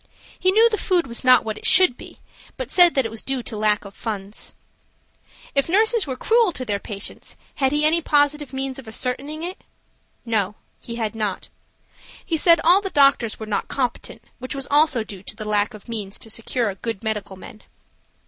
He knew the food was not what it should be, but said it was due to the lack of funds. If nurses were cruel to their patients, had he any positive means of ascertaining it? No, he had not. He said all the doctors were not competent, which was also due to the lack of means to secure good medical men.